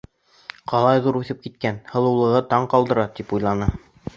Ҡалай ҙур үҫеп киткән, һылыулығы таң ҡалдыра, тип уйланы.